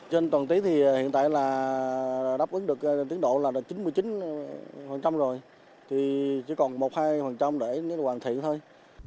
trên toàn tiến thì hiện tại là đáp ứng được tiến độ là chín mươi chín rồi thì chỉ còn một hai để hoàn thiện thôi